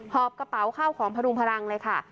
หอบกระเป๋าข้าวของพระดูกพลังเลยค่ะ